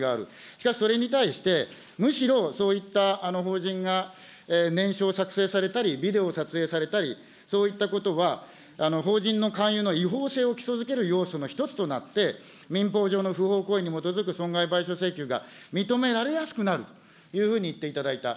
しかしそれに対して、むしろ、そういった法人が念書を作成されたり、ビデオを撮影されたり、そういったことは、法人の勧誘の違法性を基礎づける要素の一つとなって民法上の不法行為に基づく損害賠償請求が認められやすくなるというふうに言っていただいた。